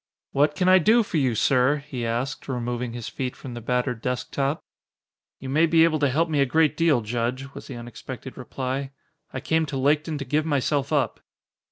"What can I do for you, sir?" he asked, removing his feet from the battered desk top. "You may be able to help me a great deal, Judge," was the unexpected reply. "I came to Laketon to give myself up."